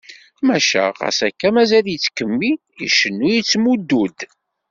Maca ɣas akka, mazal yettkemmil icennu, yettmuddu-d.